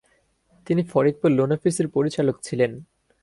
তিনি ফরিদপুর লোন অফিসের পরিচালক ছিলেন।